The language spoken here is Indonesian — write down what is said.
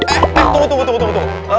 eh tunggu tunggu tunggu